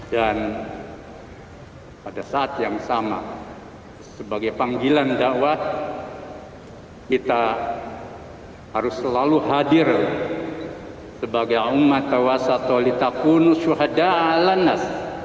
dan pada saat yang sama sebagai panggilan dakwah kita harus selalu hadir sebagai umat tawasatul itapunusuhada'a alanas